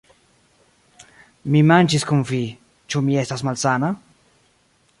Mi manĝis kun vi; ĉu mi estas malsana?